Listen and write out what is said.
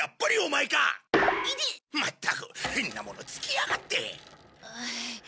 まったく変なものつけやがって。